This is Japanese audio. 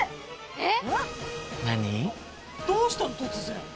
えっ？